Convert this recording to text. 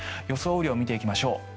雨量、見ていきましょう。